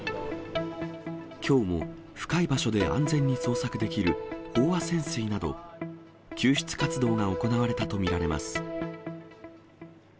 きょうも深い場所で安全に捜索できる飽和潜水など、救出活動が行われたと見られます。